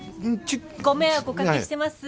ご迷惑おかけしてます。